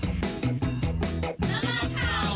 นรกขาวมาก